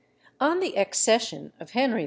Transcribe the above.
] On the accession of Henry IV.